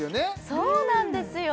そうなんですよ